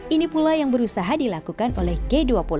ini pula yang berusaha dilakukan oleh g dua puluh